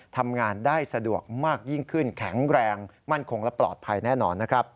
ทำงานได้สะดวกมากยิ่งขึ้นแข็งแรงมั่นคงและปลอดภัยแน่นอนนะครับ